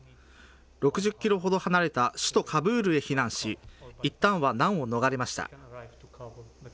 ６０キロほど離れた首都カブールへ避難し、いったんは難を逃れました。